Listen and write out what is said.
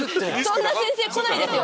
そんな先生来ないですよ。